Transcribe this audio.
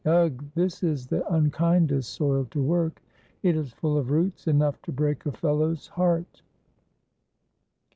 Ugh! This is the unkindest soil to work. It is full of roots, enough to break a fellow's heart."